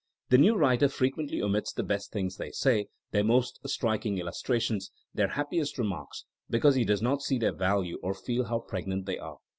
The new writer frequently omits the best things they say, their most striking illustrations, their happiest remarks, because he does not see their value or feel how pregnant they are.